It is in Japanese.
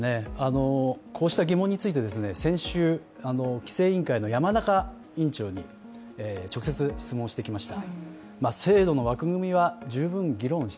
こうした疑問について先週、規制委員会の山中委員長に直接質問してきました。